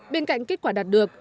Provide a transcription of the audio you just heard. bên cạnh kết quả đạt được